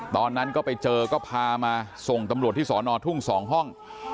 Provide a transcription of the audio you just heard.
ตอนนั้นก็ไปเจอก็พามาส่งตำรวจที่สอนอทุ่ง๒ห้อง